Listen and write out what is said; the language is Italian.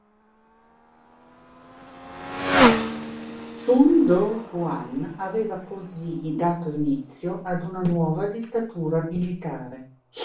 Chun Doo-hwan aveva così dato inizio ad una nuova dittatura militare.